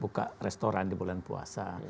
buka restoran di bulan puasa